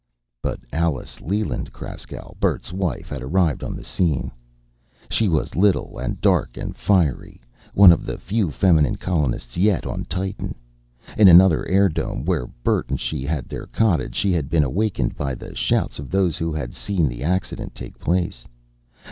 But Alice Leland Kraskow, Bert's wife, had arrived on the scene. She was little and dark and fiery, one of the few feminine colonists yet on Titan. In another airdome, where Bert and she had their cottage, she had been awakened by the shouts of those who had seen the accident take place.